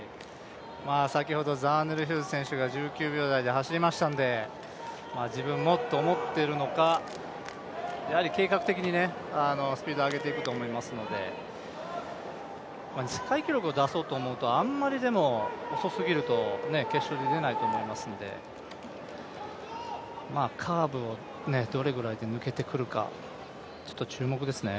先ほどザーネル・ヒューズ選手が１９秒台で走りましたので自分もと思っているのか、やはり計画的にスピードを上げていくと思いますので、世界記録を出そうと思うとあんまり遅すぎると決勝出れないと思いますのでカーブをどれくらいで抜けてくるか注目ですね。